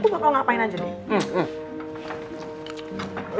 gue kalau ngapain aja nih